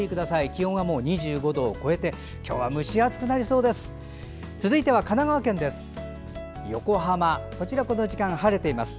気温はもう２５度を超えて今日は蒸し暑くなりそうです。